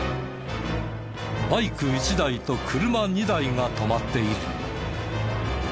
バイク１台と車２台が止まっている。